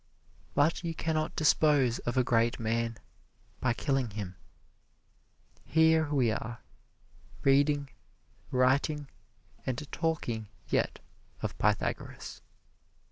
But you can not dispose of a great man by killing him. Here we are reading, writing and talking yet of Pythagoras.